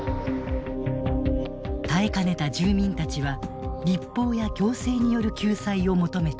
耐えかねた住民たちは立法や行政による救済を求めた。